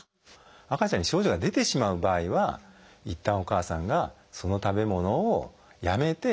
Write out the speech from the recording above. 赤ちゃんに症状が出てしまう場合はいったんお母さんがその食べ物をやめて授乳しなくてはいけません。